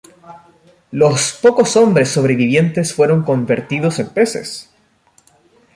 Los pocos hombres sobrevivientes fueron convertidos en Peces.